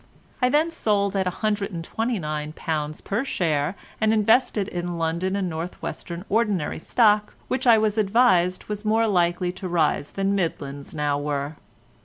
I then sold at £129 per share and invested in London and North Western ordinary stock, which I was advised was more likely to rise than Midlands now were.